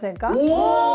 お！